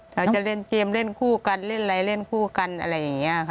เราจะเล่นเกมเล่นคู่กันเล่นอะไรเล่นคู่กันอะไรอย่างนี้ค่ะ